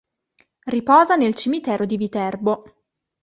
Riposa nel cimitero di Viterbo.